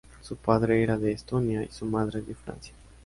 Su padre era de Estonia y su madre de Francia.